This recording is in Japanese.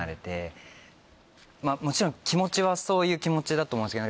もちろん気持ちはそういう気持ちだと思うんですけど。